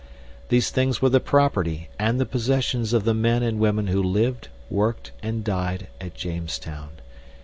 These things were the property and the possessions of the men and women who lived, worked, and died at Jamestown.